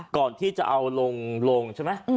ก่อนที่จะเอาลงใช่ไหม